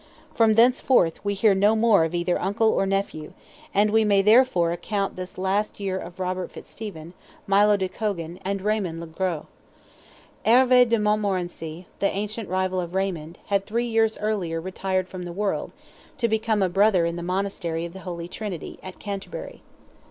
From thenceforth, we hear no more of either uncle or nephew, and we may therefore account this the last year of Robert Fitzstephen, Milo de Cogan, and Raymond le gros. Herve de Montmorency, the ancient rival of Raymond, had three years earlier retired from the world, to become a brother in the Monastery of the Holy Trinity, at Canterbury.